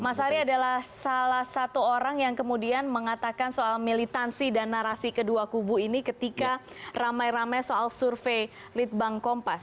mas ari adalah salah satu orang yang kemudian mengatakan soal militansi dan narasi kedua kubu ini ketika ramai ramai soal survei litbang kompas